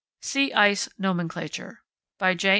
SEA ICE NOMENCLATURE By J.